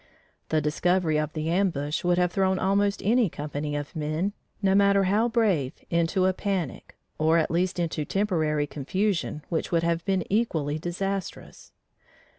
The discovery of the ambush would have thrown almost any company of men, no matter how brave into a panic, or at least into temporary confusion which would have been equally disastrous.